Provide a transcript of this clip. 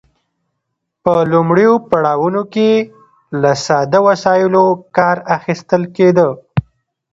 په لومړیو پړاوونو کې له ساده وسایلو کار اخیستل کیده.